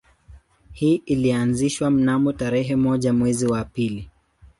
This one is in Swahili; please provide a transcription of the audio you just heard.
Hii ilianzishwa mnamo tarehe moja mwezi wa pili